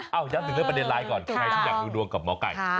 เอาย้ำถึงเรื่องประเด็นไลน์ก่อนใครที่อยากดูดวงกับหมอไก่